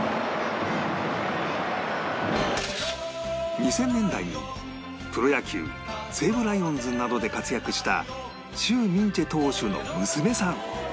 ２０００年代にプロ野球西武ライオンズなどで活躍した許銘傑投手の娘さん